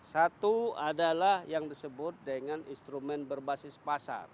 satu adalah yang disebut dengan instrumen berbasis pasar